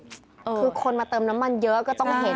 คือคนมาเติมน้ำมันเยอะก็ต้องเห็น